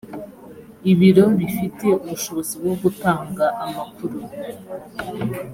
ibiro bifite ubushobozi bwo gutanga amakuru